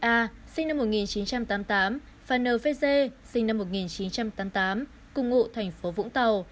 a sinh năm một nghìn chín trăm tám mươi tám và n v g sinh năm một nghìn chín trăm tám mươi tám cùng ngụ thành phố vũng tàu